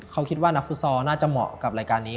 เขาคิดว่านักฟุตซอลน่าจะเหมาะกับรายการนี้